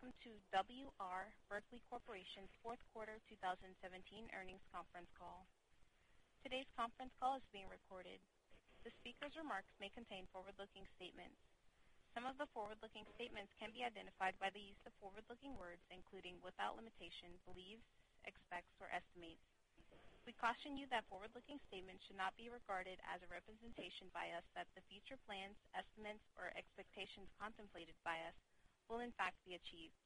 Good day, and welcome to W. R. Berkley Corporation's fourth quarter 2017 earnings conference call. Today's conference call is being recorded. The speaker's remarks may contain forward-looking statements. Some of the forward-looking statements can be identified by the use of forward-looking words, including, without limitation, believes, expects, or estimates. We caution you that forward-looking statements should not be regarded as a representation by us that the future plans, estimates, or expectations contemplated by us will in fact be achieved.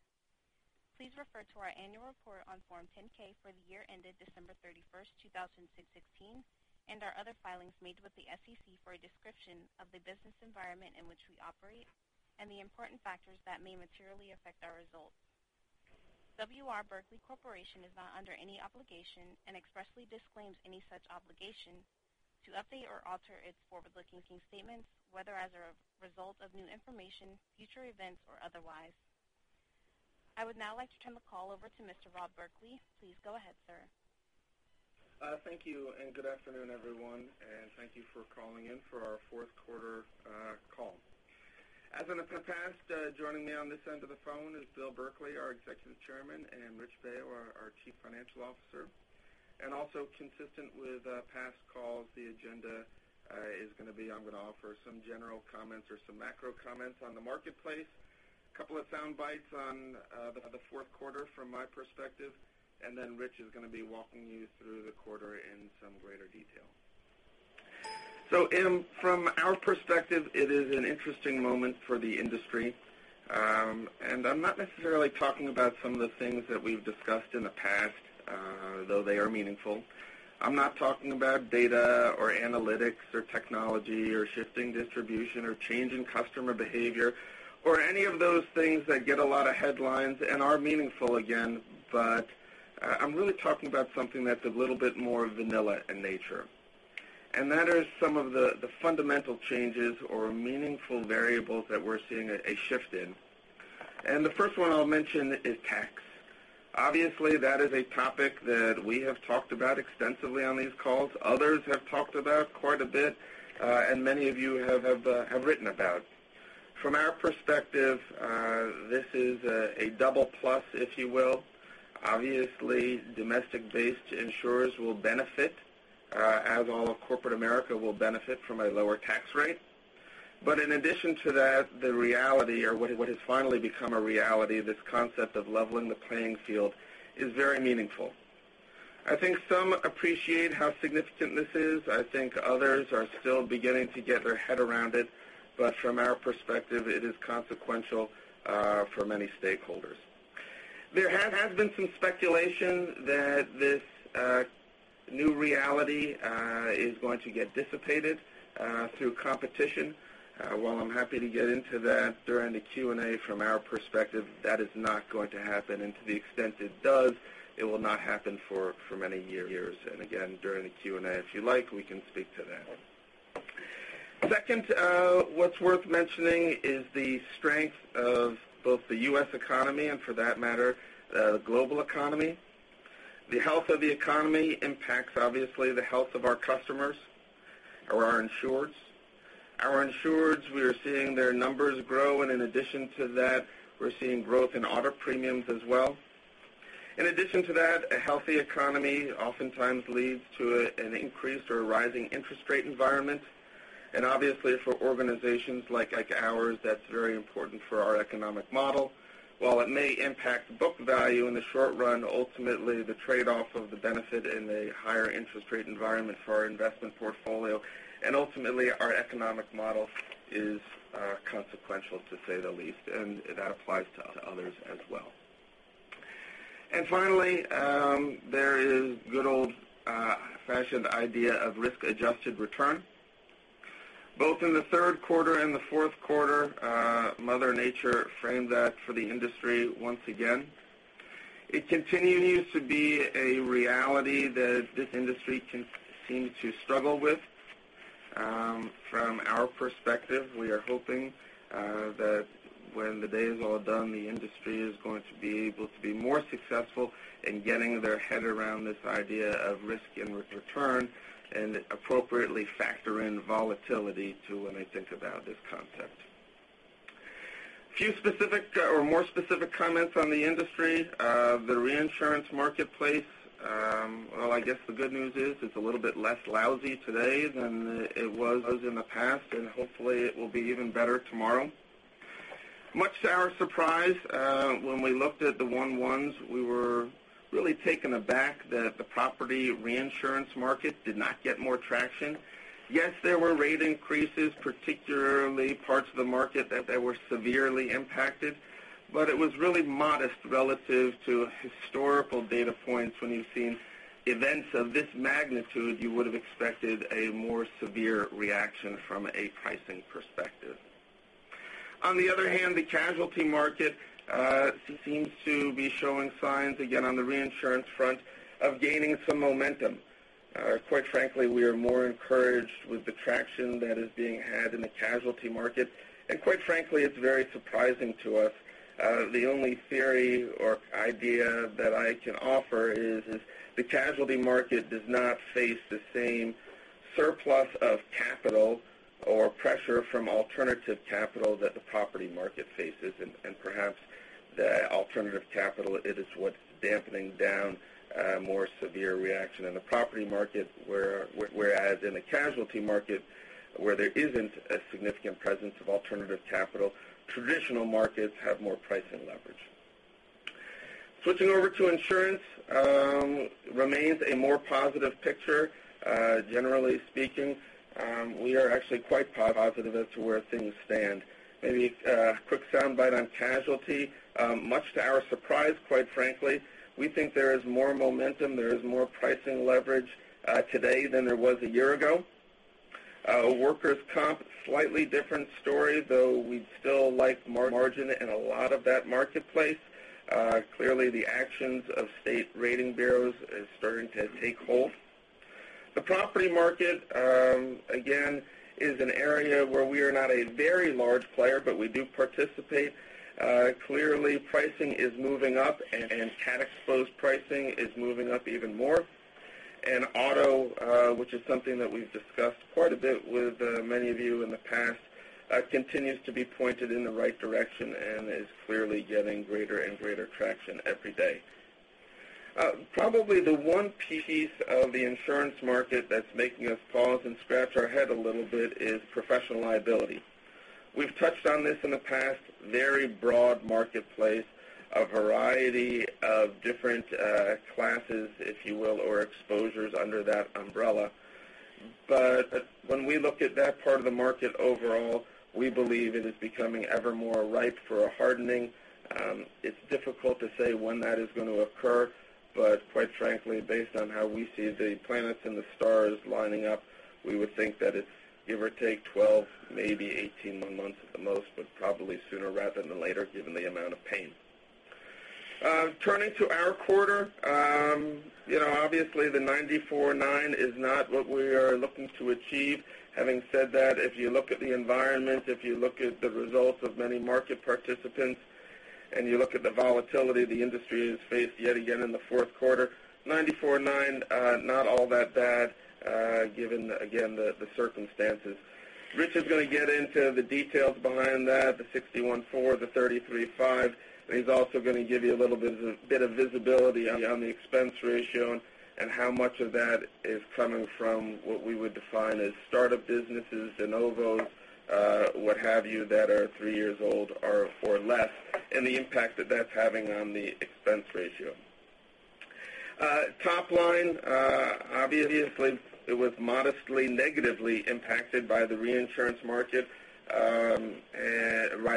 Please refer to our annual report on Form 10-K for the year ended December 31st, 2016, and our other filings made with the SEC for a description of the business environment in which we operate and the important factors that may materially affect our results. W. R. Berkley Corporation is not under any obligation and expressly disclaims any such obligation to update or alter its forward-looking statements, whether as a result of new information, future events, or otherwise. I would now like to turn the call over to Mr. Rob Berkley. Please go ahead, sir. Thank you. Good afternoon, everyone, and thank you for calling in for our fourth quarter call. As in the past, joining me on this end of the phone is Bill Berkley, our Executive Chairman, and Rich Baio, our Chief Financial Officer. Also consistent with past calls, the agenda is going to be I'm going to offer some general comments or some macro comments on the marketplace, a couple of soundbites on the fourth quarter from my perspective. Then Rich is going to be walking you through the quarter in some greater detail. From our perspective, it is an interesting moment for the industry. I'm not necessarily talking about some of the things that we've discussed in the past, though they are meaningful. I'm not talking about data or analytics or technology or shifting distribution or changing customer behavior or any of those things that get a lot of headlines and are meaningful, again. I'm really talking about something that's a little bit more vanilla in nature. That is some of the fundamental changes or meaningful variables that we're seeing a shift in. The first one I'll mention is tax. Obviously, that is a topic that we have talked about extensively on these calls, others have talked about quite a bit, and many of you have written about. From our perspective, this is a double plus, if you will. Obviously, domestic-based insurers will benefit, as all of corporate America will benefit from a lower tax rate. In addition to that, the reality or what has finally become a reality, this concept of leveling the playing field is very meaningful. I think some appreciate how significant this is. I think others are still beginning to get their head around it. From our perspective, it is consequential for many stakeholders. There has been some speculation that this new reality is going to get dissipated through competition. While I'm happy to get into that during the Q&A, from our perspective, that is not going to happen. To the extent it does, it will not happen for many years. Again, during the Q&A, if you like, we can speak to that. Second, what's worth mentioning is the strength of both the U.S. economy and for that matter, the global economy. The health of the economy impacts, obviously, the health of our customers or our insureds. Our insureds, we are seeing their numbers grow, and in addition to that, we're seeing growth in auto premiums as well. In addition to that, a healthy economy oftentimes leads to an increased or rising interest rate environment. Obviously, for organizations like ours, that's very important for our economic model. While it may impact book value in the short run, ultimately, the trade-off of the benefit in a higher interest rate environment for our investment portfolio and ultimately our economic model is consequential, to say the least, and that applies to others as well. Finally, there is good old-fashioned idea of risk-adjusted return. Both in the third quarter and the fourth quarter, Mother Nature framed that for the industry once again. It continues to be a reality that this industry can seem to struggle with. From our perspective, we are hoping that when the day is all done, the industry is going to be able to be more successful in getting their head around this idea of risk and return and appropriately factor in volatility, too, when they think about this concept. Few specific or more specific comments on the industry. The reinsurance marketplace, well, I guess the good news is it's a little bit less lousy today than it was in the past, and hopefully it will be even better tomorrow. Much to our surprise, when we looked at the one-ones, we were really taken aback that the property reinsurance market did not get more traction. Yes, there were rate increases, particularly parts of the market that were severely impacted, but it was really modest relative to historical data points. When you've seen events of this magnitude, you would have expected a more severe reaction from a pricing perspective. On the other hand, the casualty market seems to be showing signs, again, on the reinsurance front of gaining some momentum. Quite frankly, we are more encouraged with the traction that is being had in the casualty market. Quite frankly, it's very surprising to us. The only theory or idea that I can offer is the casualty market does not face the same surplus of capital or pressure from alternative capital that the property market faces. Perhaps the alternative capital is what's dampening down a more severe reaction in the property market. Whereas in the casualty market, where there isn't a significant presence of alternative capital, traditional markets have more pricing leverage. Switching over to insurance remains a more positive picture. Generally speaking, we are actually quite positive as to where things stand. Maybe a quick soundbite on casualty. Much to our surprise, quite frankly, we think there is more momentum, there is more pricing leverage today than there was a year ago. Workers' comp, slightly different story, though we still like margin in a lot of that marketplace. Clearly, the actions of state rating bureaus is starting to take hold. The property market, again, is an area where we are not a very large player, but we do participate. Clearly, pricing is moving up and cat exposed pricing is moving up even more. Auto, which is something that we've discussed quite a bit with many of you in the past, continues to be pointed in the right direction and is clearly getting greater and greater traction every day. Probably the one piece of the insurance market that's making us pause and scratch our head a little bit is professional liability. We've touched on this in the past. Very broad marketplace, a variety of different classes, if you will, or exposures under that umbrella. When we look at that part of the market overall, we believe it is becoming ever more ripe for a hardening. It's difficult to say when that is going to occur, but quite frankly, based on how we see the planets and the stars lining up, we would think that it's give or take 12, maybe 18 months at the most, but probably sooner rather than later, given the amount of pain. Turning to our quarter. Obviously, the 94.9 is not what we are looking to achieve. Having said that, if you look at the environment, if you look at the results of many market participants, and you look at the volatility the industry has faced yet again in the fourth quarter, 94.9, not all that bad, given, again, the circumstances. Rich is going to get into the details behind that, the 61.4, the 33.5, and he's also going to give you a little bit of visibility on the expense ratio and how much of that is coming from what we would define as startup businesses, de novos, what have you, that are three years old or less, and the impact that that's having on the expense ratio. Top line, obviously it was modestly negatively impacted by the reinsurance market, by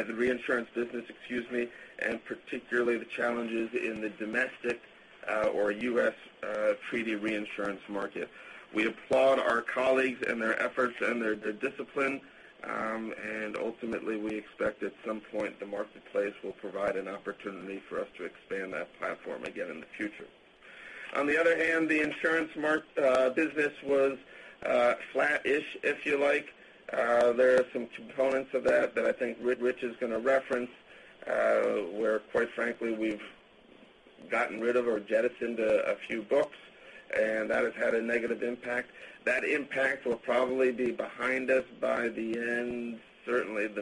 the reinsurance business, excuse me, and particularly the challenges in the domestic or U.S. treaty reinsurance market. We applaud our colleagues and their efforts and their discipline, ultimately we expect at some point the marketplace will provide an opportunity for us to expand that platform again in the future. On the other hand, the insurance business was flat-ish, if you like. There are some components of that that I think Rich is going to reference, where, quite frankly, we've gotten rid of or jettisoned a few books, and that has had a negative impact. That impact will probably be behind us by the end, certainly of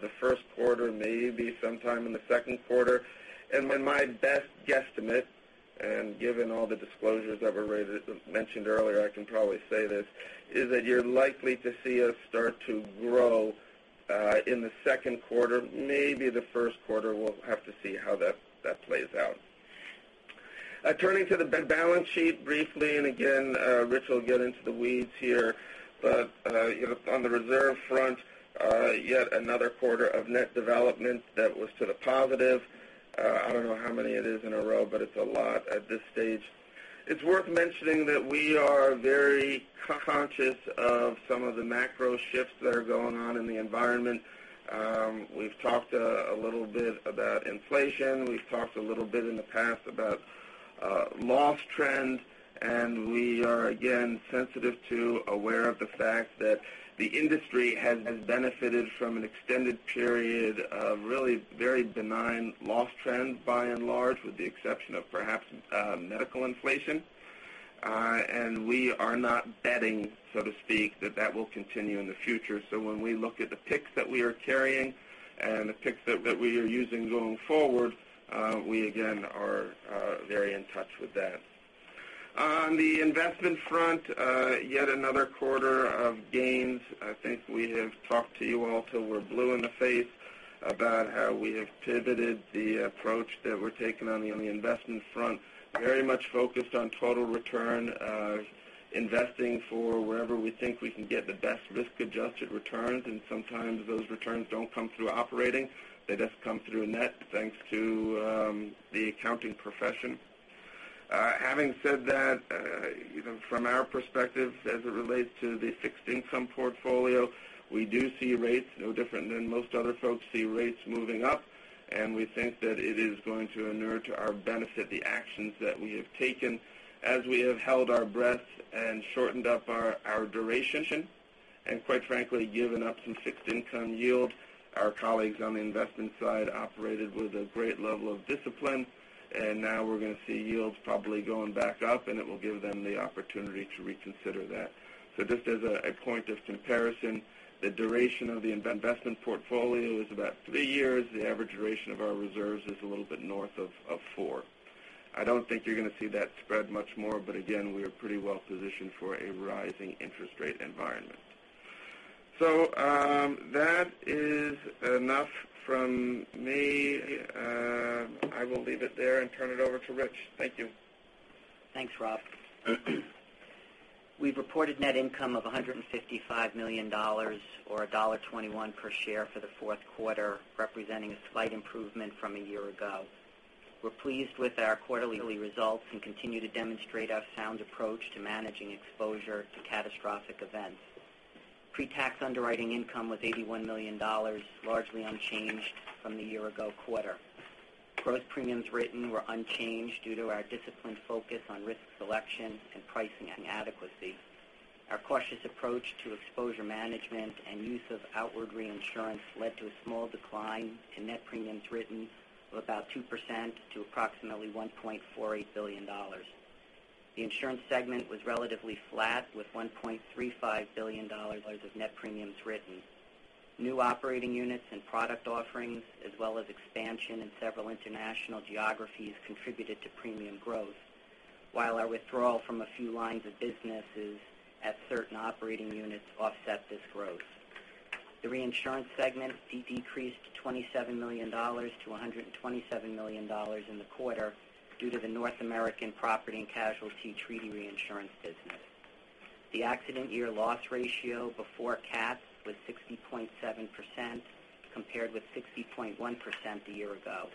the first quarter, maybe sometime in the second quarter. When my best guesstimate, and given all the disclosures I've mentioned earlier, I can probably say this, is that you're likely to see us start to grow in the second quarter, maybe the first quarter. We'll have to see how that plays out. Turning to the balance sheet briefly, and again, Rich will get into the weeds here, but on the reserve front, yet another quarter of net development that was to the positive. I don't know how many it is in a row, but it's a lot at this stage. It's worth mentioning that we are very conscious of some of the macro shifts that are going on in the environment. We've talked a little bit about inflation. We've talked a little bit in the past about loss trends, and we are, again, sensitive to, aware of the fact that the industry has benefited from an extended period of really very benign loss trends by and large, with the exception of perhaps medical inflation. We are not betting, so to speak, that that will continue in the future. When we look at the picks that we are carrying and the picks that we are using going forward, we again are very in touch with that. On the investment front, yet another quarter of gains. I think we have talked to you all till we're blue in the face about how we have pivoted the approach that we're taking on the investment front. Very much focused on total return, investing for wherever we think we can get the best risk-adjusted returns, and sometimes those returns don't come through operating. They just come through net, thanks to the accounting profession. Having said that, from our perspective as it relates to the fixed income portfolio, we do see rates no different than most other folks see rates moving up, and we think that it is going to inure to our benefit the actions that we have taken as we have held our breath and shortened up our duration, and quite frankly, given up some fixed income yield. Our colleagues on the investment side operated with a great level of discipline, and now we're going to see yields probably going back up, and it will give them the opportunity to reconsider that. Just as a point of comparison, the duration of the investment portfolio is about three years. The average duration of our reserves is a little bit north of four. I don't think you're going to see that spread much more, but again, we are pretty well positioned for a rising interest rate environment. That is enough from me. I will leave it there and turn it over to Rich. Thank you. Thanks, Rob. We reported net income of $155 million, or $1.21 per share for the fourth quarter, representing a slight improvement from a year ago. We are pleased with our quarterly results and continue to demonstrate our sound approach to managing exposure to catastrophic events. Pre-tax underwriting income was $81 million, largely unchanged from the year-ago quarter. Gross premiums written were unchanged due to our disciplined focus on risk selection and pricing adequacy. Our cautious approach to exposure management and use of outward reinsurance led to a small decline in net premiums written of about 2% to approximately $1.48 billion. The insurance segment was relatively flat with $1.35 billion of net premiums written. New operating units and product offerings, as well as expansion in several international geographies contributed to premium growth. Our withdrawal from a few lines of businesses at certain operating units offset this growth. The reinsurance segment decreased $27 million to $127 million in the quarter due to the North American property and casualty treaty reinsurance business. The accident year loss ratio before cats was 60.7%, compared with 60.1% a year ago.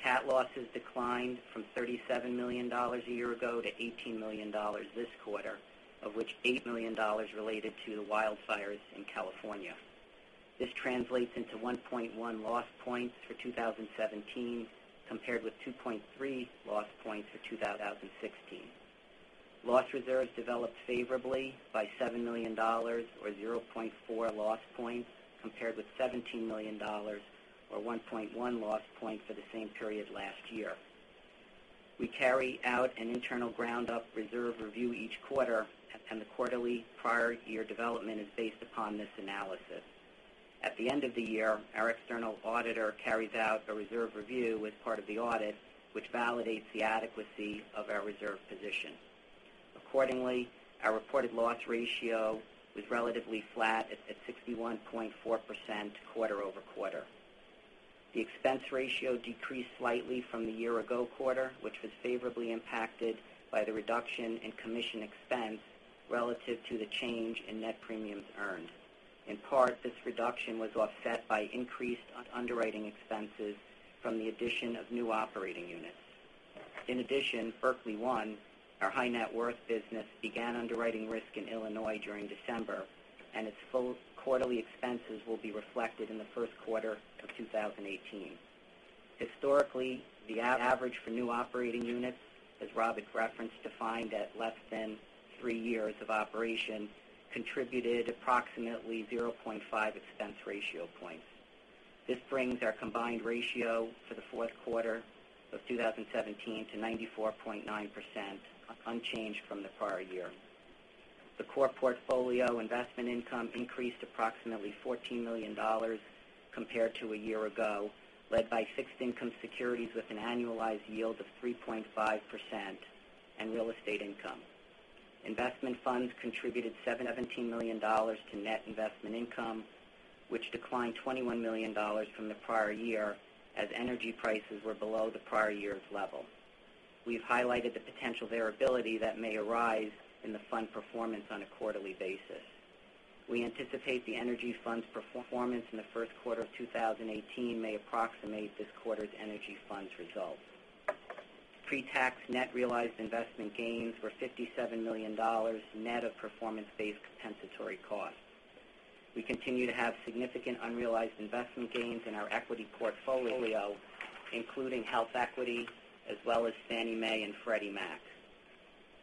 Cat losses declined from $37 million a year ago to $18 million this quarter, of which $8 million related to the wildfires in California. This translates into 1.1 loss points for 2017, compared with 2.3 loss points for 2016. Loss reserves developed favorably by $7 million or 0.4 loss points compared with $17 million or 1.1 loss points for the same period last year. We carry out an internal ground-up reserve review each quarter, and the quarterly prior year development is based upon this analysis. At the end of the year, our external auditor carries out a reserve review as part of the audit, which validates the adequacy of our reserve position. Accordingly, our reported loss ratio was relatively flat at 61.4% quarter-over-quarter. The expense ratio decreased slightly from the year-ago quarter, which was favorably impacted by the reduction in commission expense relative to the change in net premiums earned. This reduction was offset by increased underwriting expenses from the addition of new operating units. In addition, Berkley One, our high net worth business, began underwriting risk in Illinois during December, and its full quarterly expenses will be reflected in the first quarter of 2018. Historically, the average for new operating units, as Rob had referenced, defined at less than three years of operation, contributed approximately 0.5 expense ratio points. This brings our combined ratio for the fourth quarter of 2017 to 94.9%, unchanged from the prior year. The core portfolio investment income increased approximately $14 million compared to a year ago, led by fixed income securities with an annualized yield of 3.5% and real estate income. Investment funds contributed $17 million to net investment income, which declined $21 million from the prior year as energy prices were below the prior year's level. We have highlighted the potential variability that may arise in the fund performance on a quarterly basis. We anticipate the energy fund's performance in the first quarter of 2018 may approximate this quarter's energy funds result. Pre-tax net realized investment gains were $57 million, net of performance-based compensatory costs. We continue to have significant unrealized investment gains in our equity portfolio, including HealthEquity, as well as Fannie Mae and Freddie Mac.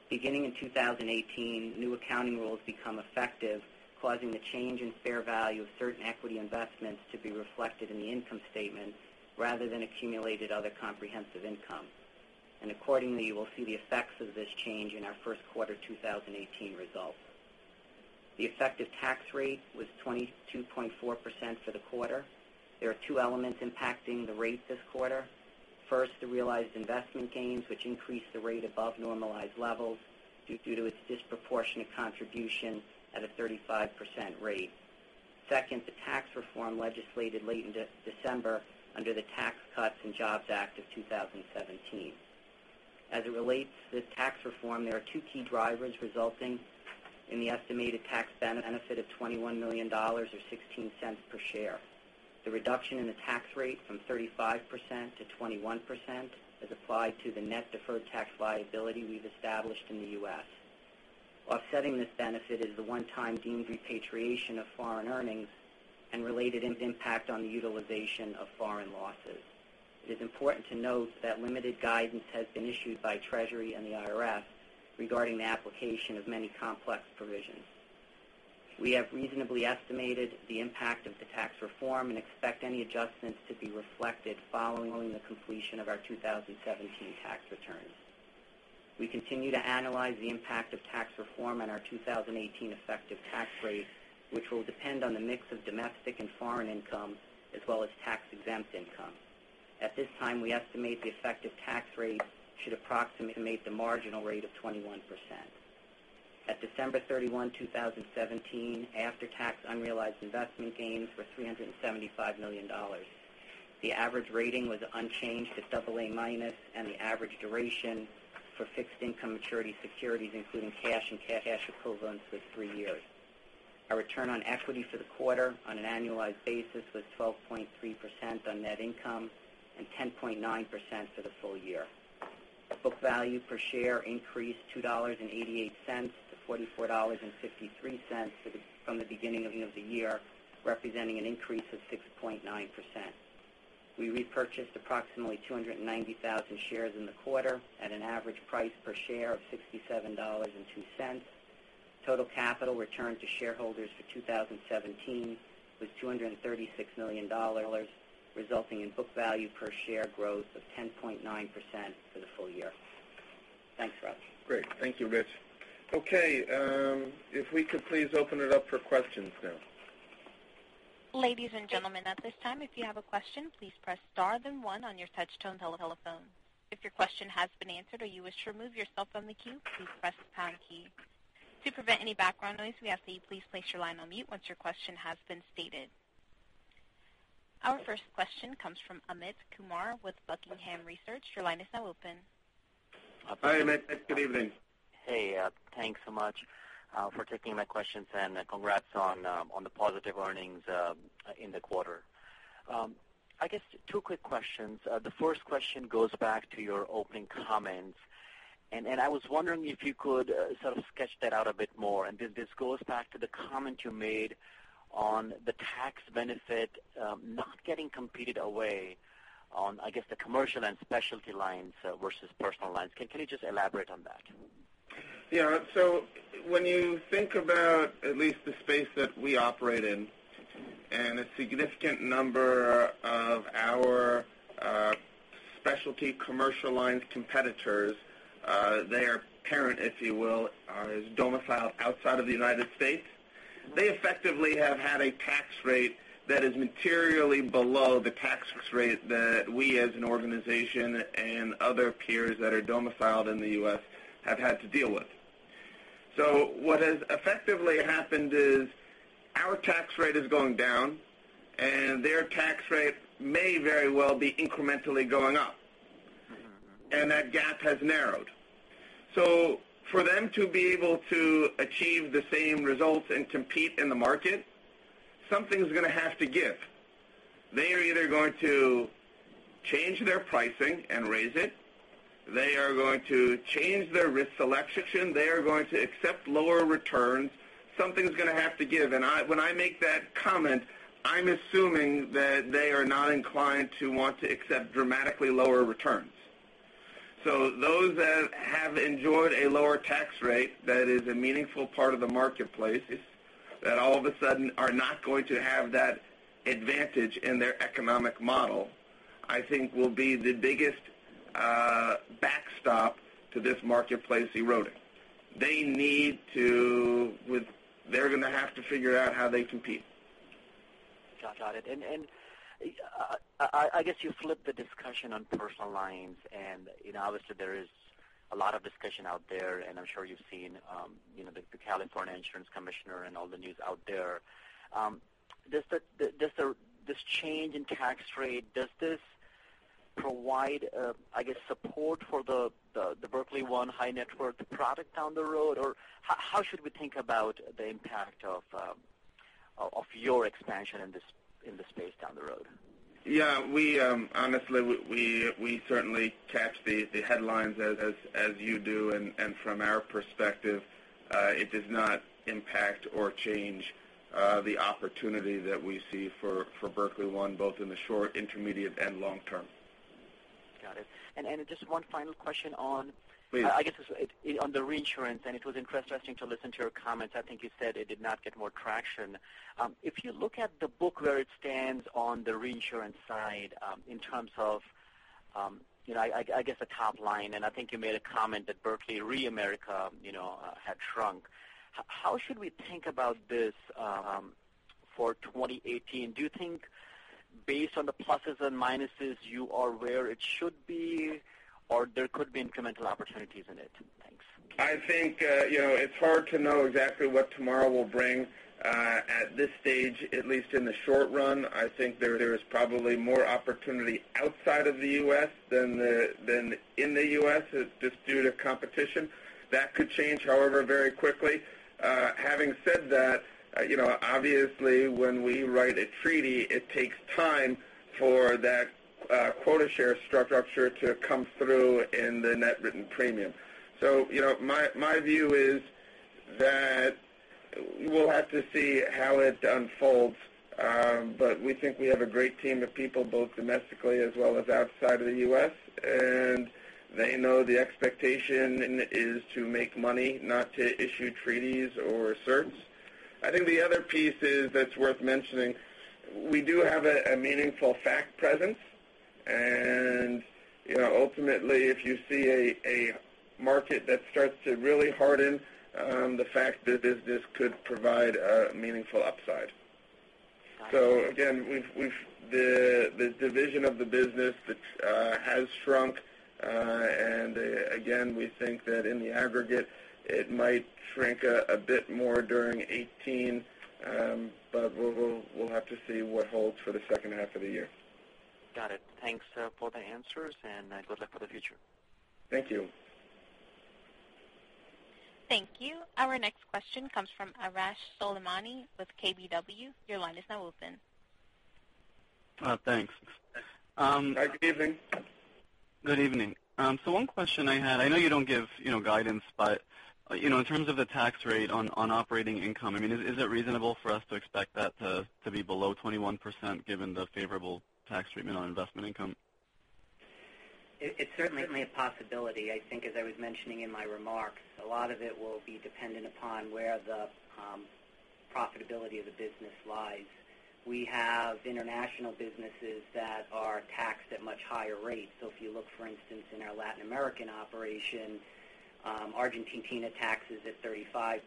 Beginning in 2018, new accounting rules become effective, causing the change in fair value of certain equity investments to be reflected in the income statement rather than accumulated other comprehensive income. Accordingly, you will see the effects of this change in our first quarter 2018 results. The effective tax rate was 22.4% for the quarter. There are two elements impacting the rate this quarter. First, the realized investment gains, which increased the rate above normalized levels due to its disproportionate contribution at a 35% rate. Second, the tax reform legislated late in December under the Tax Cuts and Jobs Act of 2017. As it relates to this tax reform, there are two key drivers resulting in the estimated tax benefit of $21 million or $0.16 per share. The reduction in the tax rate from 35% to 21% as applied to the net deferred tax liability we've established in the U.S. Offsetting this benefit is the one-time deemed repatriation of foreign earnings and related impact on the utilization of foreign losses. It is important to note that limited guidance has been issued by Treasury and the IRS regarding the application of many complex provisions. We have reasonably estimated the impact of the tax reform and expect any adjustments to be reflected following the completion of our 2017 tax returns. We continue to analyze the impact of tax reform on our 2018 effective tax rate, which will depend on the mix of domestic and foreign income, as well as tax-exempt income. At this time, we estimate the effective tax rate should approximate the marginal rate of 21%. At December 31, 2017, after-tax unrealized investment gains were $375 million. The average rating was unchanged at double A-minus, and the average duration for fixed income maturity securities, including cash and cash equivalents, was three years. Our return on equity for the quarter on an annualized basis was 12.3% on net income and 10.9% for the full year. Book value per share increased $2.88 to $44.53 from the beginning of the year, representing an increase of 6.9%. We repurchased approximately 290,000 shares in the quarter at an average price per share of $67.02. Total capital returned to shareholders for 2017 was $236 million, resulting in book value per share growth of 10.9% for the full year. Thanks, Rob. Great. Thank you, Rich. If we could please open it up for questions now. Ladies and gentlemen, at this time, if you have a question, please press star then one on your touch tone telephone. If your question has been answered or you wish to remove yourself from the queue, please press the pound key. To prevent any background noise, we ask that you please place your line on mute once your question has been stated. Our first question comes from Amit Kumar with Buckingham Research. Your line is now open. Hi, Amit. Good evening. Hey, thanks so much for taking my questions, and congrats on the positive earnings in the quarter. I guess two quick questions. The first question goes back to your opening comments, and I was wondering if you could sort of sketch that out a bit more. This goes back to the comment you made on the tax benefit not getting competed away on, I guess, the commercial and specialty lines versus personal lines. Can you just elaborate on that? Yeah. When you think about at least the space that we operate in and a significant number of our specialty commercial lines competitors, their parent, if you will, is domiciled outside of the United States. They effectively have had a tax rate that is materially below the tax rate that we, as an organization and other peers that are domiciled in the U.S., have had to deal with. What has effectively happened is our tax rate is going down, and their tax rate may very well be incrementally going up. That gap has narrowed. For them to be able to achieve the same results and compete in the market, something's going to have to give. They are either going to change their pricing and raise it, they are going to change their risk selection, they are going to accept lower returns. Something's going to have to give. When I make that comment, I'm assuming that they are not inclined to want to accept dramatically lower returns. Those that have enjoyed a lower tax rate that is a meaningful part of the marketplace, that all of a sudden are not going to have that advantage in their economic model, I think will be the biggest backstop to this marketplace eroding. They're going to have to figure out how they compete. Got it. I guess you flipped the discussion on personal lines, and obviously, there is a lot of discussion out there, and I'm sure you've seen the California Insurance Commissioner and all the news out there. This change in tax rate, does this provide, I guess, support for the Berkley One high net worth product down the road? Or how should we think about the impact of your expansion in this space down the road? Yeah. Honestly, we certainly catch the headlines as you do, From our perspective, it does not impact or change the opportunity that we see for Berkley One, both in the short, intermediate, and long term. Got it. Just one final question on- Please I guess on the reinsurance, it was interesting to listen to your comments. I think you said it did not get more traction. If you look at the book where it stands on the reinsurance side, in terms of, I guess, a top line, I think you made a comment that Berkley Re America had shrunk. How should we think about this for 2018? Do you think based on the pluses and minuses, you are where it should be, or there could be incremental opportunities in it? Thanks. I think it's hard to know exactly what tomorrow will bring. At this stage, at least in the short run, I think there is probably more opportunity outside of the U.S. than in the U.S. just due to competition. That could change, however, very quickly. Having said that, obviously, when we write a treaty, it takes time for that quota share structure to come through in the net written premium. My view is that We'll have to see how it unfolds. We think we have a great team of people, both domestically as well as outside of the U.S., they know the expectation is to make money, not to issue treaties or certs. I think the other piece that's worth mentioning, we do have a meaningful fac presence. Ultimately, if you see a market that starts to really harden, the fac is this could provide a meaningful upside. Again, the division of the business has shrunk. Again, we think that in the aggregate, it might shrink a bit more during 2018. We'll have to see what holds for the second half of the year. Got it. Thanks for the answers, good luck for the future. Thank you. Thank you. Our next question comes from Arash Soleimani with KBW. Your line is now open. Thanks. Hi, good evening. Good evening. One question I had. I know you don't give guidance, but in terms of the tax rate on operating income, is it reasonable for us to expect that to be below 21% given the favorable tax treatment on investment income? It's certainly a possibility. I think as I was mentioning in my remarks, a lot of it will be dependent upon where the profitability of the business lies. We have international businesses that are taxed at much higher rates. If you look, for instance, in our Latin American operation, Argentina taxes at 35%,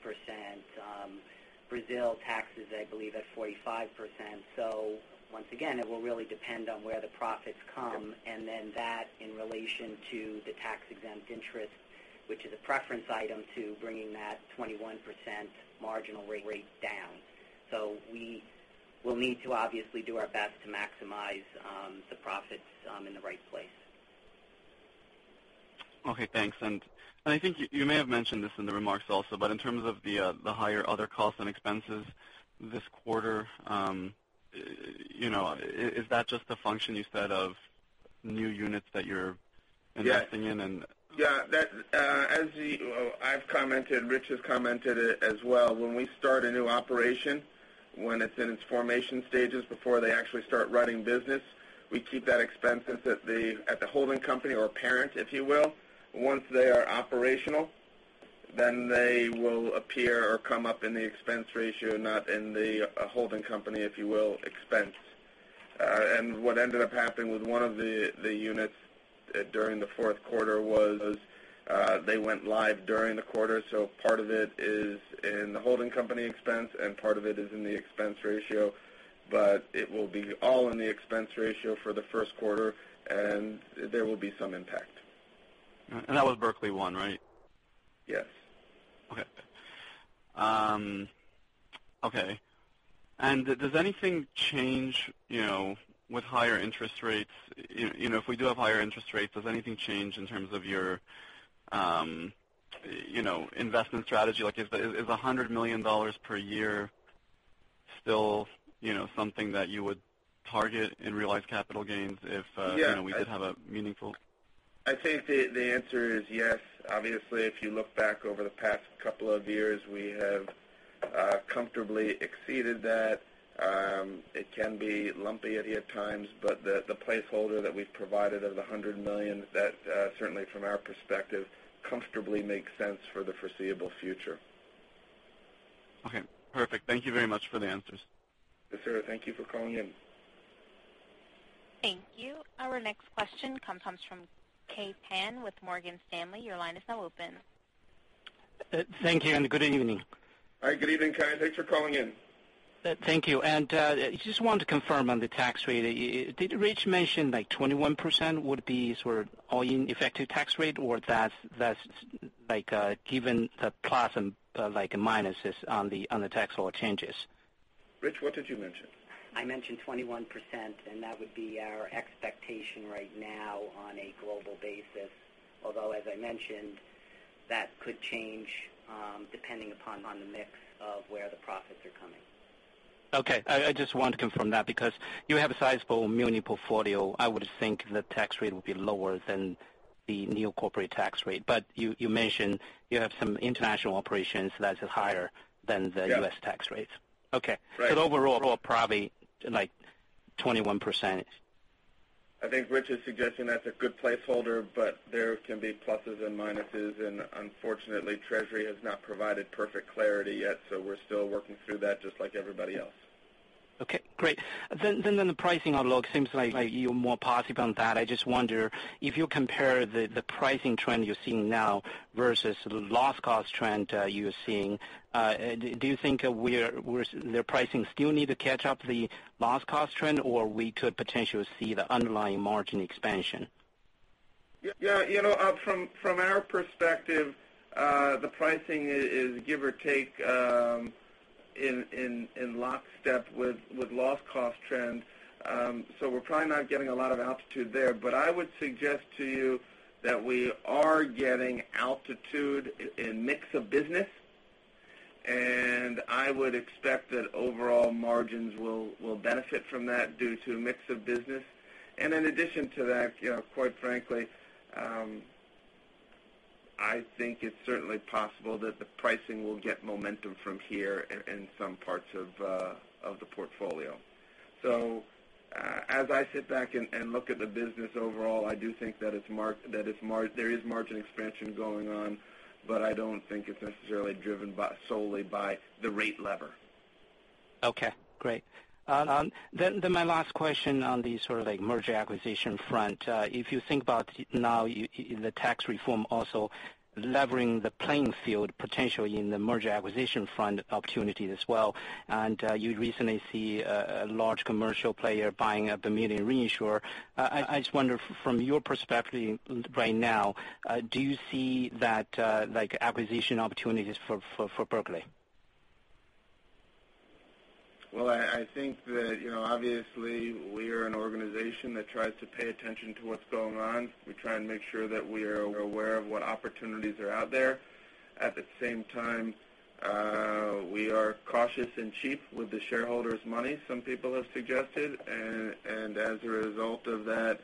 Brazil taxes, I believe, at 45%. Once again, it will really depend on where the profits come, and then that in relation to the tax-exempt interest, which is a preference item to bringing that 21% marginal rate down. We will need to obviously do our best to maximize the profits in the right place. Okay, thanks. I think you may have mentioned this in the remarks also, but in terms of the higher other costs and expenses this quarter, is that just a function you said of new units that you're investing in and- Yeah. As I've commented, Rich has commented as well. When we start a new operation, when it's in its formation stages, before they actually start writing business, we keep that expenses at the holding company or parent, if you will. Once they are operational, then they will appear or come up in the expense ratio, not in the holding company, if you will, expense. What ended up happening with one of the units during the fourth quarter was they went live during the quarter. Part of it is in the holding company expense, and part of it is in the expense ratio. It will be all in the expense ratio for the first quarter, and there will be some impact. That was Berkley One, right? Yes. Okay. Does anything change with higher interest rates? If we do have higher interest rates, does anything change in terms of your investment strategy? Is $100 million per year still something that you would target in realized capital gains if- Yeah we did have a meaningful- I think the answer is yes. Obviously, if you look back over the past couple of years, we have comfortably exceeded that. It can be lumpy at times, but the placeholder that we've provided of the $100 million, that certainly from our perspective, comfortably makes sense for the foreseeable future. Okay, perfect. Thank you very much for the answers. Yes, sir. Thank you for calling in. Thank you. Our next question comes from Kai Pan with Morgan Stanley. Your line is now open. Thank you, good evening. Hi, good evening, Kai. Thanks for calling in. Thank you. I just want to confirm on the tax rate. Did Rich mention 21% would be sort of all-in effective tax rate, or that's given the plus and minuses on the tax law changes? Rich, what did you mention? I mentioned 21%, that would be our expectation right now on a global basis, although as I mentioned, that could change, depending upon the mix of where the profits are coming. Okay. I just want to confirm that because you have a sizable muni portfolio. I would think the tax rate would be lower than the new corporate tax rate. You mentioned you have some international operations that's higher than the- Yeah U.S. tax rates. Okay. Right. Overall, probably 21%. I think Rich is suggesting that's a good placeholder, but there can be pluses and minuses, and unfortunately, Treasury has not provided perfect clarity yet. We're still working through that just like everybody else. Okay, great. The pricing outlook seems like you're more positive on that. I just wonder, if you compare the pricing trend you're seeing now versus the loss cost trend you're seeing, do you think the pricing still need to catch up the loss cost trend, or we could potentially see the underlying margin expansion? Yeah. From our perspective, the pricing is give or take in lockstep with loss cost trends. We're probably not getting a lot of altitude there, I would suggest to you that we are getting altitude in mix of business, and I would expect that overall margins will benefit from that due to mix of business. In addition to that, quite frankly, I think it's certainly possible that the pricing will get momentum from here in some parts of the portfolio. As I sit back and look at the business overall, I do think that there is margin expansion going on, but I don't think it's necessarily driven solely by the rate lever. Okay, great. My last question on the sort of merger acquisition front. If you think about now the tax reform also levering the playing field potentially in the merger acquisition front opportunities as well, and you recently see a large commercial player buying up the muni reinsurer. I just wonder from your perspective right now, do you see that acquisition opportunities for Berkley? I think that obviously we are an organization that tries to pay attention to what's going on. We try and make sure that we are aware of what opportunities are out there. At the same time, we are cautious and cheap with the shareholders' money, some people have suggested. As a result of that,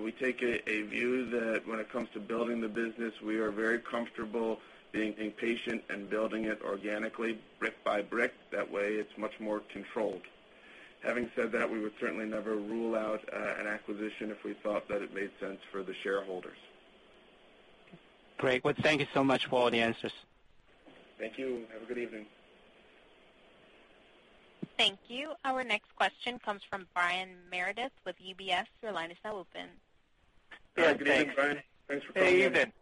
we take a view that when it comes to building the business, we are very comfortable being patient and building it organically brick by brick. That way it's much more controlled. Having said that, we would certainly never rule out an acquisition if we thought that it made sense for the shareholders. Great. Thank you so much for all the answers. Thank you. Have a good evening. Thank you. Our next question comes from Brian Meredith with UBS. Your line is now open. Good evening, Brian. Thanks for coming in. Hey, evening.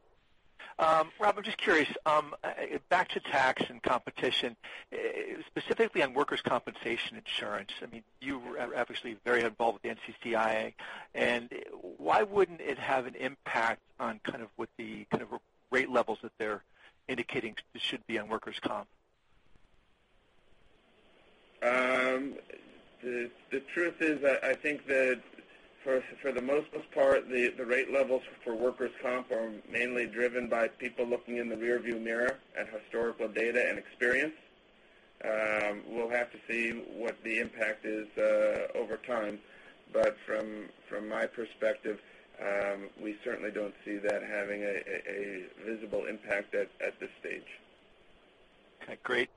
Rob, I'm just curious, back to tax and competition, specifically on workers' compensation insurance. You are obviously very involved with the NCCI. Why wouldn't it have an impact on kind of what the kind of rate levels that they're indicating should be on workers' compensation? The truth is that I think that for the most part, the rate levels for workers' compensation are mainly driven by people looking in the rearview mirror at historical data and experience. We'll have to see what the impact is over time. From my perspective, we certainly don't see that having a visible impact at this stage. Okay, great.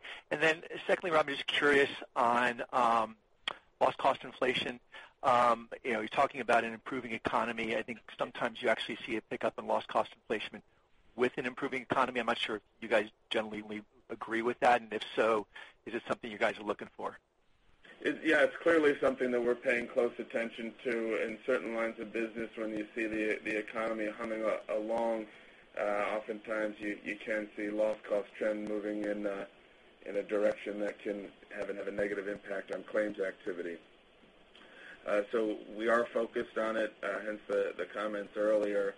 Secondly, Rob, just curious on loss cost inflation. You're talking about an improving economy. I think sometimes you actually see a pickup in loss cost inflation with an improving economy. I'm not sure if you guys generally agree with that, and if so, is it something you guys are looking for? Yeah, it's clearly something that we're paying close attention to in certain lines of business when you see the economy humming along. Oftentimes you can see loss cost trend moving in a direction that can have a negative impact on claims activity. We are focused on it, hence the comments earlier.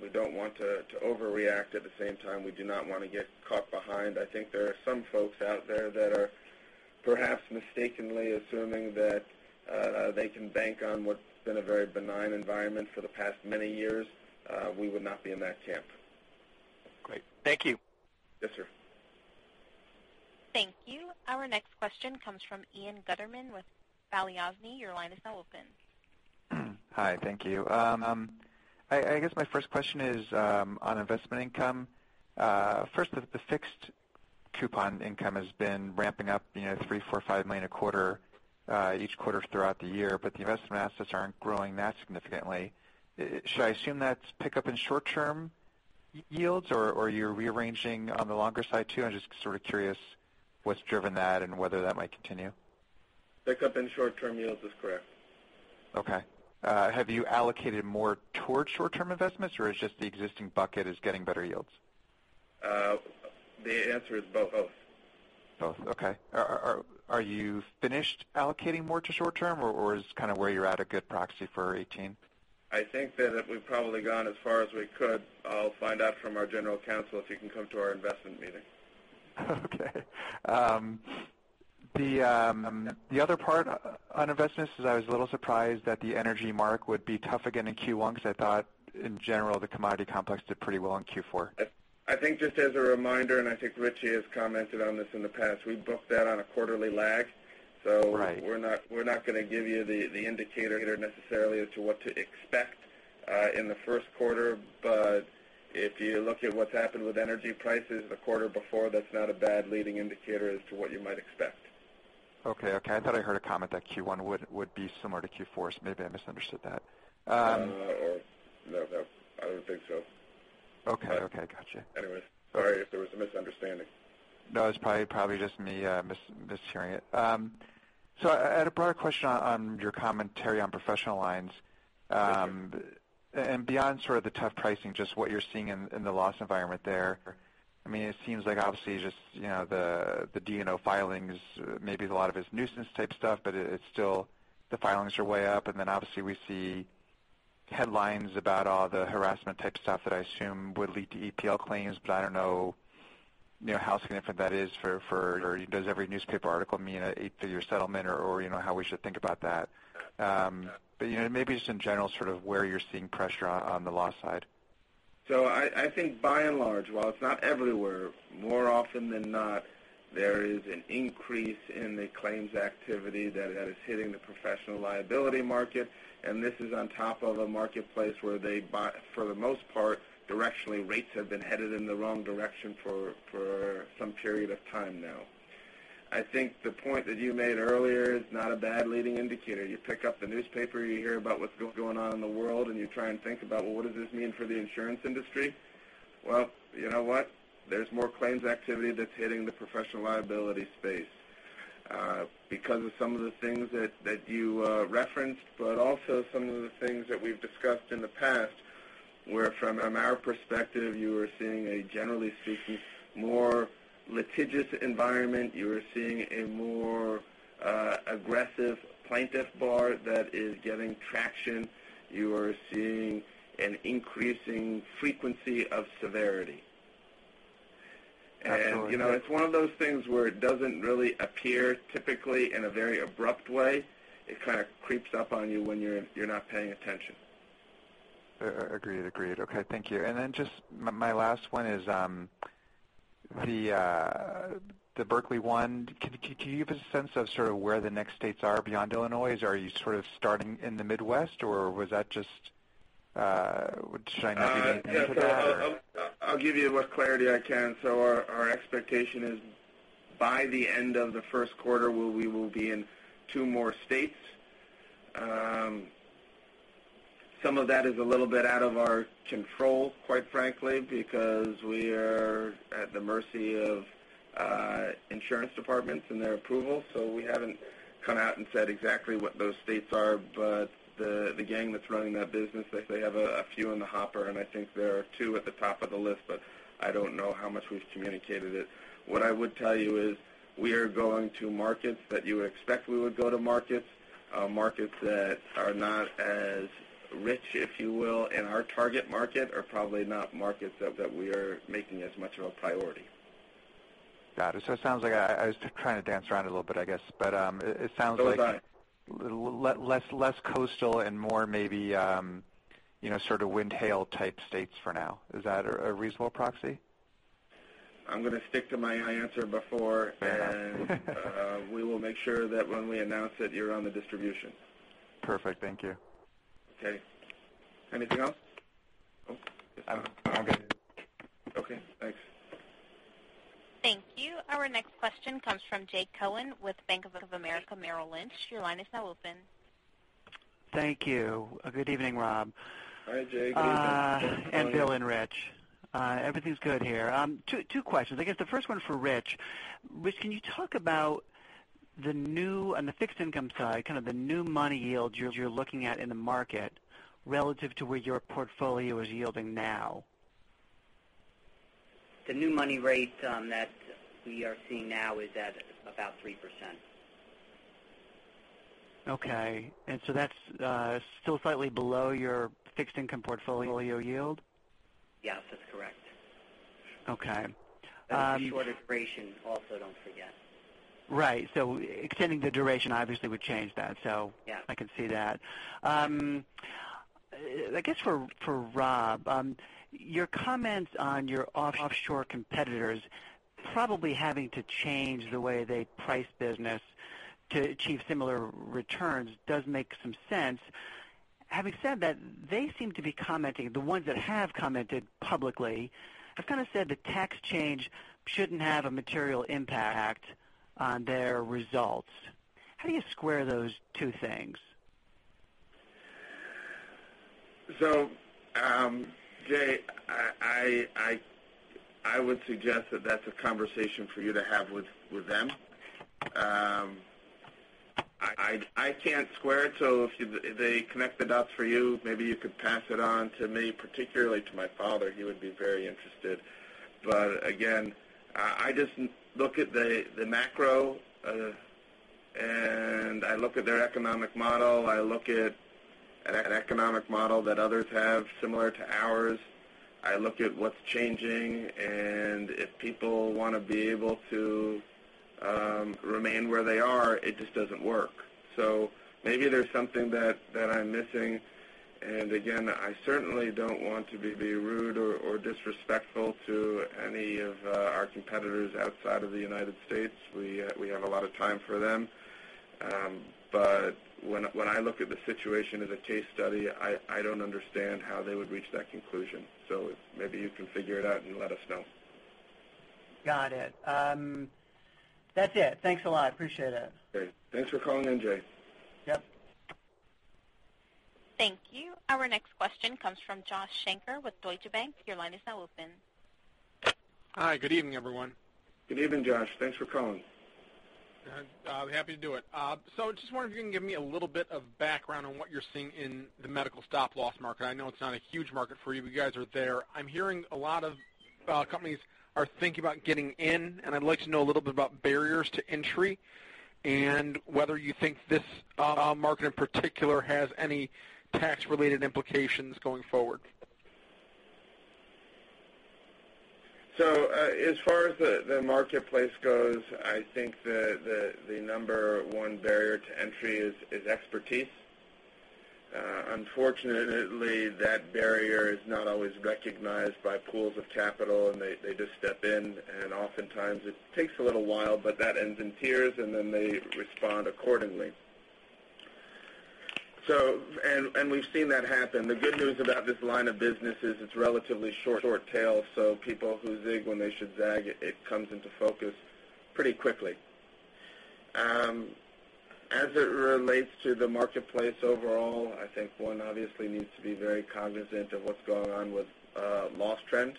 We don't want to overreact. At the same time, we do not want to get caught behind. I think there are some folks out there that are perhaps mistakenly assuming that they can bank on what's been a very benign environment for the past many years. We would not be in that camp. Great. Thank you. Yes, sir. Thank you. Our next question comes from Ian Gutterman with Balyasny. Your line is now open. Hi, thank you. I guess my first question is on investment income. First, the fixed coupon income has been ramping up $3 million, $4 million, $5 million a quarter each quarter throughout the year, but the investment assets aren't growing that significantly. Should I assume that's pickup in short-term yields, or you're rearranging on the longer side, too? I'm just sort of curious what's driven that and whether that might continue. Pickup in short-term yields is correct. Okay. Have you allocated more towards short-term investments, or it's just the existing bucket is getting better yields? The answer is both. Both, okay. Are you finished allocating more to short-term, or is kind of where you're at a good proxy for 2018? I think that we've probably gone as far as we could. I'll find out from our general counsel if he can come to our investment meeting. Okay. The other part on investments is I was a little surprised that the energy mark would be tough again in Q1 because I thought in general the commodity complex did pretty well in Q4. I think just as a reminder, and I think Richie has commented on this in the past, we book that on a quarterly lag. Right. We're not going to give you the indicator necessarily as to what to expect in the first quarter. If you look at what's happened with energy prices the quarter before, that's not a bad leading indicator as to what you might expect. Okay. I thought I heard a comment that Q1 would be similar to Q4, so maybe I misunderstood that. No, I don't think so. Okay, gotcha. Anyways, sorry if there was a misunderstanding. No, it's probably just me mishearing it. I had a broader question on your commentary on professional lines. Yes, sir. Beyond sort of the tough pricing, just what you're seeing in the loss environment there. It seems like obviously just the D&O filings, maybe a lot of it is nuisance type stuff, but it is still the filings are way up. Obviously we see headlines about all the harassment type stuff that I assume would lead to EPL claims. I don't know how significant that is. Does every newspaper article mean a figure settlement or how we should think about that? Maybe just in general, sort of where you're seeing pressure on the loss side. I think by and large, while it is not everywhere, more often than not, there is an increase in the claims activity that is hitting the professional liability market, and this is on top of a marketplace where, for the most part, directionally, rates have been headed in the wrong direction for some period of time now. I think the point that you made earlier is not a bad leading indicator. You pick up the newspaper, you hear about what is going on in the world, and you try and think about, well, what does this mean for the insurance industry? You know what? There is more claims activity that is hitting the professional liability space because of some of the things that you referenced, but also some of the things that we have discussed in the past, where from our perspective, you are seeing a, generally speaking, more litigious environment. You are seeing a more aggressive plaintiff bar that is getting traction. You are seeing an increasing frequency of severity. Absolutely. It's one of those things where it doesn't really appear typically in a very abrupt way. It kind of creeps up on you when you're not paying attention. Agreed. Okay, thank you. Just my last one is, the Berkley One, can you give a sense of sort of where the next states are beyond Illinois? Are you sort of starting in the Midwest or was that just, should I not be- I'll give you what clarity I can. Our expectation is by the end of the first quarter, we will be in two more states. Some of that is a little bit out of our control, quite frankly, because we are at the mercy of insurance departments and their approval. We haven't come out and said exactly what those states are, but the gang that's running that business, they have a few in the hopper, and I think there are two at the top of the list, but I don't know how much we've communicated it. What I would tell you is we are going to markets that you would expect we would go to markets. Markets that are not as rich, if you will, in our target market, are probably not markets that we are making as much of a priority. Got it. It sounds like I was trying to dance around it a little bit, I guess, but, it sounds like- Go with that. Less coastal and more maybe, sort of wind hail type states for now. Is that a reasonable proxy? I'm going to stick to my answer before. Fair. We will make sure that when we announce it, you're on the distribution. Perfect. Thank you. Okay. Anything else? Nope. I'm good. Okay, thanks. Thank you. Our next question comes from Jay Cohen with Bank of America Merrill Lynch. Your line is now open. Thank you. Good evening, Rob. Hi, Jay. Bill and Rich. Everything's good here. Two questions. I guess the first one for Rich. Rich, can you talk about the new, on the fixed income side, kind of the new money yields you're looking at in the market relative to where your portfolio is yielding now? The new money rate that we are seeing now is at about 3%. Okay. That's still slightly below your fixed income portfolio yield? Yes, that's correct. Okay. It's shorter duration also, don't forget. Right. Extending the duration obviously would change that. Yeah I can see that. I guess for Rob, your comments on your offshore competitors probably having to change the way they price business to achieve similar returns does make some sense. Having said that, they seem to be commenting, the ones that have commented publicly, have kind of said the tax change shouldn't have a material impact on their results. How do you square those two things? Jay, I would suggest that that's a conversation for you to have with them. I can't square it, so if they connect the dots for you, maybe you could pass it on to me, particularly to my father. He would be very interested. Again, I just look at the macro, and I look at their economic model. I look at an economic model that others have similar to ours. I look at what's changing, and if people want to be able to remain where they are, it just doesn't work. Maybe there's something that I'm missing. Again, I certainly don't want to be rude or disrespectful to any of our competitors outside of the United States. We have a lot of time for them. When I look at the situation as a case study, I don't understand how they would reach that conclusion. Maybe you can figure it out and let us know. Got it. That's it. Thanks a lot. Appreciate it. Great. Thanks for calling in, Jay. Yep. Thank you. Our next question comes from Joshua Shanker with Deutsche Bank. Your line is now open. Hi, good evening, everyone. Good evening, Josh. Thanks for calling. Happy to do it. Just wondering if you can give me a little bit of background on what you're seeing in the medical stop-loss market. I know it's not a huge market for you, but you guys are there. I'm hearing a lot of companies are thinking about getting in, and I'd like to know a little bit about barriers to entry and whether you think this market in particular has any tax-related implications going forward. As far as the marketplace goes, I think the number 1 barrier to entry is expertise. Unfortunately, that barrier is not always recognized by pools of capital, and they just step in, and oftentimes it takes a little while, but that ends in tears, and then they respond accordingly. We've seen that happen. The good news about this line of business is it's relatively short tail, so people who zig when they should zag, it comes into focus pretty quickly. As it relates to the marketplace overall, I think one obviously needs to be very cognizant of what's going on with loss trend.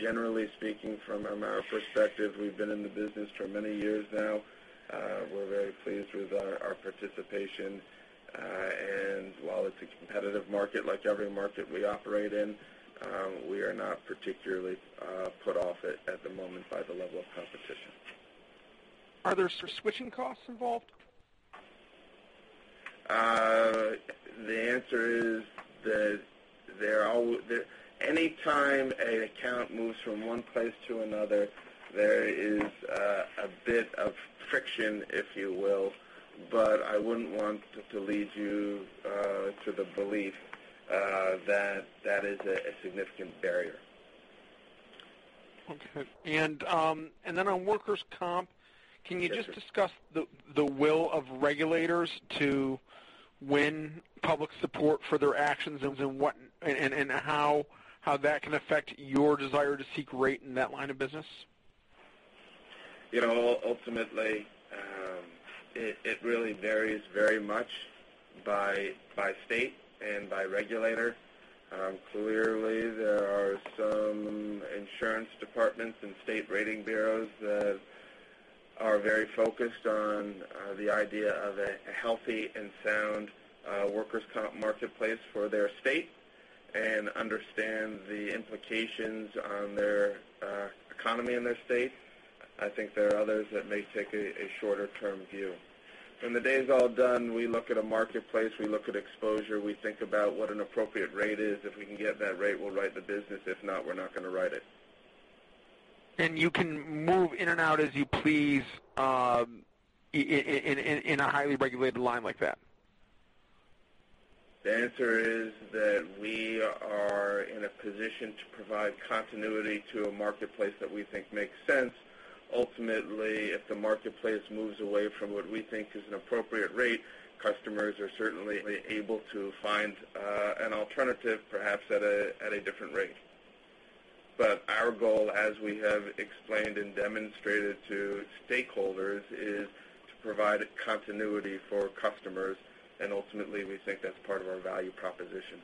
Generally speaking, from our perspective, we've been in the business for many years now. We're very pleased with our participation. While it's a competitive market, like every market we operate in, we are not particularly put off it at the moment by the level of competition. Are there switching costs involved? The answer is that any time an account moves from one place to another, there is a bit of friction, if you will. I wouldn't want to lead you to the belief that is a significant barrier. Okay. On workers' compensation, can you just discuss the will of regulators to win public support for their actions and how that can affect your desire to seek rate in that line of business? Ultimately, it really varies very much by state and by regulator. Clearly, there are some insurance departments and state rating bureaus that are very focused on the idea of a healthy and sound workers' compensation marketplace for their state and understand the implications on their economy in their state. I think there are others that may take a shorter-term view. When the day is all done, we look at a marketplace, we look at exposure, we think about what an appropriate rate is. If we can get that rate, we'll write the business. If not, we're not going to write it. You can move in and out as you please in a highly regulated line like that? The answer is that we are in a position to provide continuity to a marketplace that we think makes sense. Ultimately, if the marketplace moves away from what we think is an appropriate rate, customers are certainly able to find an alternative, perhaps at a different rate. Our goal, as we have explained and demonstrated to stakeholders, is to provide continuity for customers. Ultimately, we think that's part of our value proposition.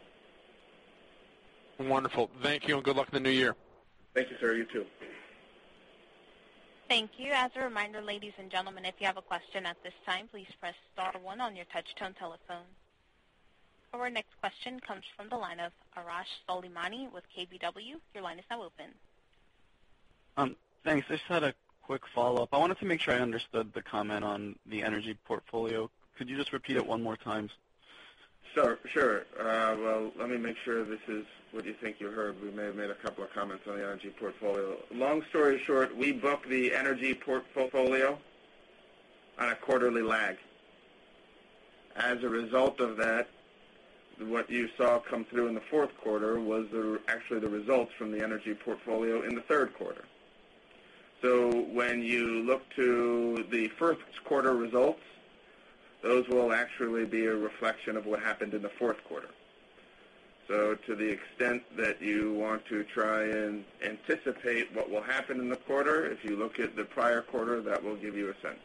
Wonderful. Thank you, and good luck in the new year. Thank you, sir. You, too. Thank you. As a reminder, ladies and gentlemen, if you have a question at this time, please press star one on your touch-tone telephone. Our next question comes from the line of Arash Soleimani with KBW. Your line is now open. Thanks. I just had a quick follow-up. I wanted to make sure I understood the comment on the energy portfolio. Could you just repeat it one more time? Sure. Well, let me make sure this is what you think you heard. We may have made a couple of comments on the energy portfolio. Long story short, we book the energy portfolio on a quarterly lag. As a result of that, what you saw come through in the fourth quarter was actually the results from the energy portfolio in the third quarter. When you look to the first quarter results, those will actually be a reflection of what happened in the fourth quarter. To the extent that you want to try and anticipate what will happen in the quarter, if you look at the prior quarter, that will give you a sense.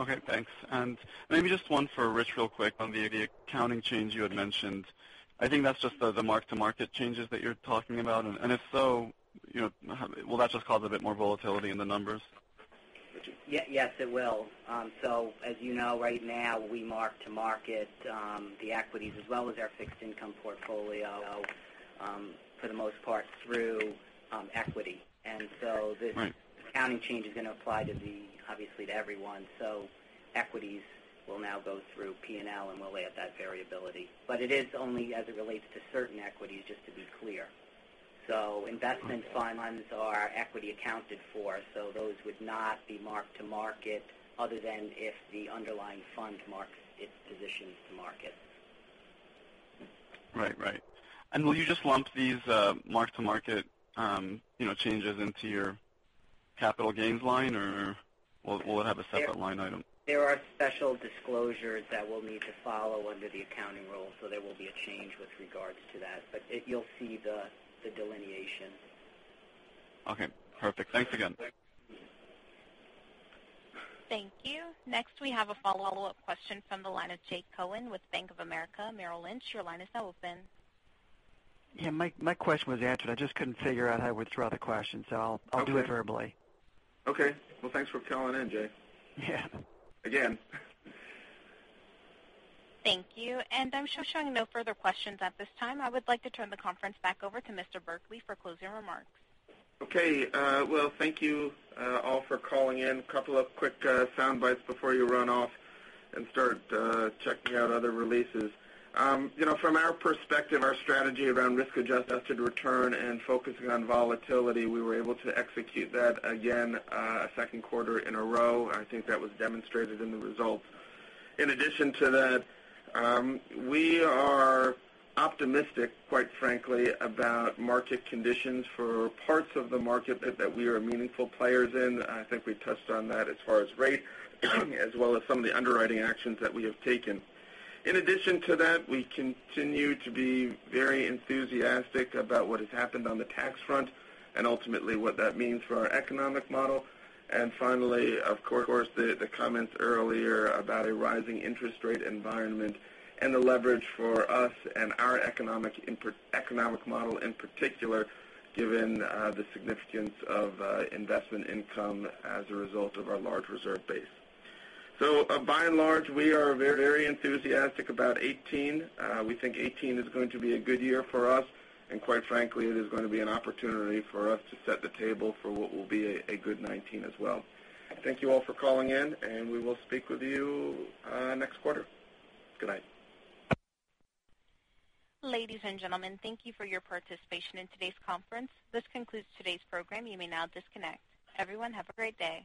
Okay, thanks. Maybe just one for Rich real quick on the accounting change you had mentioned. I think that's just the mark-to-market changes that you're talking about. If so, will that just cause a bit more volatility in the numbers? Richard? Yes, it will. As you know right now, we mark to market the equities as well as our fixed income portfolio, for the most part, through equity. Right accounting change is going to apply, obviously, to everyone. Equities will now go through P&L, and we'll lay out that variability. It is only as it relates to certain equities, just to be clear. Okay That's been fund and so our equity accounted for, so those would not be mark to market other than if the underlying fund marks its positions to market. Right. Will you just lump these mark-to-market changes into your capital gains line, or will it have a separate line item? There are special disclosures that we'll need to follow under the accounting rule. There will be a change with regards to that. You'll see the delineation. Okay, perfect. Thanks again. Thank you. Next, we have a follow-up question from the line of Jay Cohen with Bank of America Merrill Lynch. Your line is now open. Yeah, my question was answered. I just couldn't figure out how to throw the question, so I'll do it verbally. Okay. Well, thanks for calling in, Jay. Yeah. Again. Thank you. I'm showing no further questions at this time. I would like to turn the conference back over to Mr. Berkley for closing remarks. Okay. Well, thank you all for calling in. Couple of quick sound bites before you run off and start checking out other releases. From our perspective, our strategy around risk-adjusted return and focusing on volatility, we were able to execute that again a second quarter in a row. I think that was demonstrated in the results. In addition to that, we are optimistic, quite frankly, about market conditions for parts of the market that we are meaningful players in. I think we touched on that as far as rate, as well as some of the underwriting actions that we have taken. In addition to that, we continue to be very enthusiastic about what has happened on the tax front and ultimately what that means for our economic model. Finally, of course, the comments earlier about a rising interest rate environment and the leverage for us and our economic model in particular, given the significance of investment income as a result of our large reserve base. By and large, we are very enthusiastic about 2018. We think 2018 is going to be a good year for us, and quite frankly, it is going to be an opportunity for us to set the table for what will be a good 2019 as well. Thank you all for calling in, and we will speak with you next quarter. Good night. Ladies and gentlemen, thank you for your participation in today's conference. This concludes today's program. You may now disconnect. Everyone, have a great day.